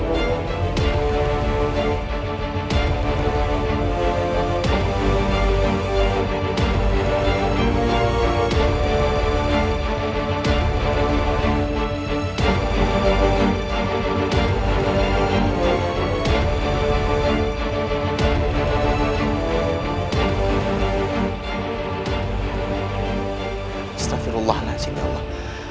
astagfirullahaladzim ya allah